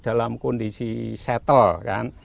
dalam kondisi settle